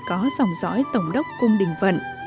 có dòng dõi tổng đốc cung đình vận